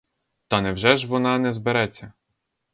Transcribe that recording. Та невже ж вона не збереться?